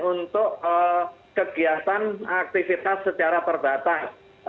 untuk kegiatan aktivitas secara terbatas